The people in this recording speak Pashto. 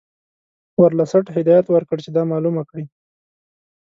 ورلسټ هدایت ورکړ چې دا معلومه کړي.